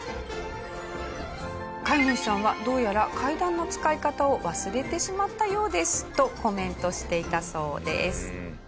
飼い主さんは「どうやら階段の使い方を忘れてしまったようです」とコメントしていたそうです。